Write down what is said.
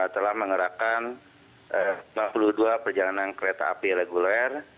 telah mengerahkan enam puluh dua perjalanan kereta api reguler